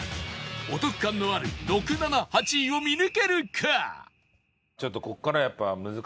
お得感のある６７８位を見抜けるか？